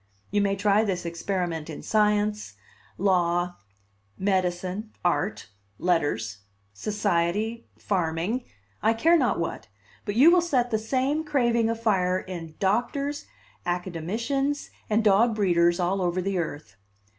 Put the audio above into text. You may try this experiment in science, law, medicine, art, letters, society, farming, I care not what, but you will set the same craving afire in doctors, academicians, and dog breeders all over the earth.